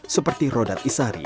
seperti rodat isari